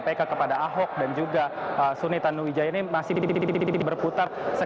kpk kepada ahok dan juga suni tanuwijaya ini masih berputar